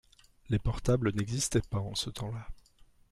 Les portables n’existaient pas en ce temps-là.